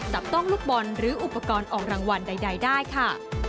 จับต้องลูกบอลหรืออุปกรณ์ออกรางวัลใดได้ค่ะ